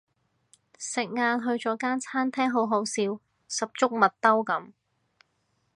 食晏去咗間餐廳好好笑十足麥兜噉